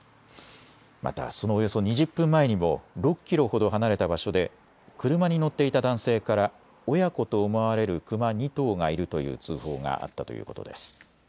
また、そのおよそ２０分前にも６キロほど離れた場所で車に乗っていた男性から親子と思われるクマ２頭がいるという通報があったということです。